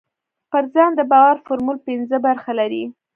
پر ځان د باور فورمول پينځه برخې لري.